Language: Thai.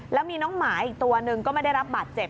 แล้วมีน้องหมาอีกตัวหนึ่งก็ไม่ได้รับบาดเจ็บ